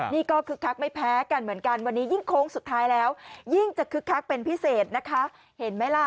นี่ก็คึกคักไม่แพ้กันเหมือนกันวันนี้ยิ่งโค้งสุดท้ายแล้วยิ่งจะคึกคักเป็นพิเศษนะคะเห็นไหมล่ะ